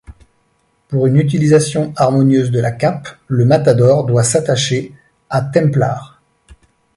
Pour une utilisation harmonieuse de la cape, le matador doit s'attacher à templar.